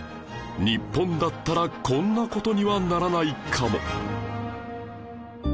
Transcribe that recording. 日本だったらこんな事にはならないかも